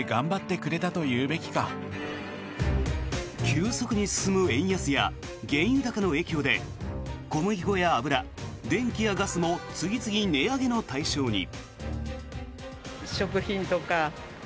急速に進む円安や原油高の影響で小麦粉や油、電気やガスも次々、値上げの対象に。